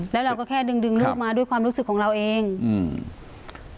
แล้วเราก็แค่ดึงดึงลูกมาด้วยความรู้สึกของเราเองอืม